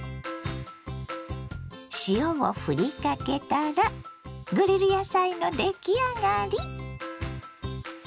塩をふりかけたらグリル野菜の出来上がり。